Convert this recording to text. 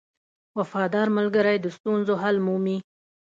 • وفادار ملګری د ستونزو حل مومي.